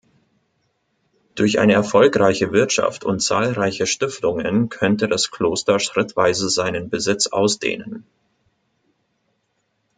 Durch eine erfolgreiche Wirtschaft und zahlreiche Stiftungen könnte das Kloster schrittweise seinen Besitz ausdehnen.